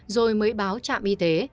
rồi mới báo trạm y tế